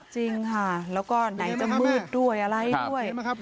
จริงค่ะแล้วก็ไหนจะมืดด้วยอะไรด้วย